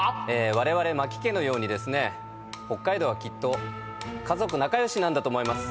われわれ万木家のようにですね北海道はきっと家族仲良しなんだと思います。